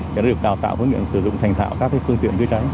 đã được đào tạo với những sử dụng thành thảo các phương tiện chữa cháy